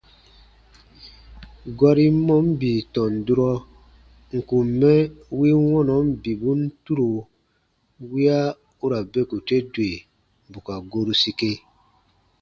Gɔrin mɔɔn bii tɔn durɔ n kùn mɛ win wɔnɔn bibun turo wiya u ra beku te dwe bù ka goru sike.